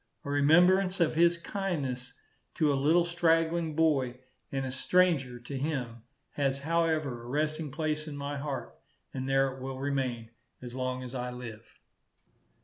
A remembrance of his kindness to a little straggling boy, and a stranger to him, has however a resting place in my heart, and there it will remain as long as I live.